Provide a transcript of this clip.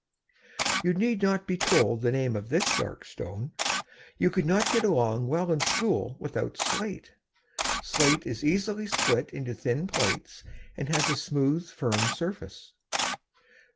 You need not to be told the name of this dark stone. You could not get along well in school without slate. Slate is easily split into thin plates, and has a smooth, firm surface.